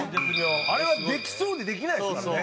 あれはできそうでできないですからね。